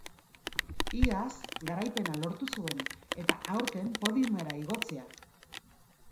Iaz garaipena lortu zuen, eta aurten podiumera igotzea.